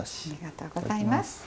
ありがとうございます。